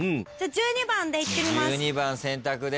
１２番でいってみます。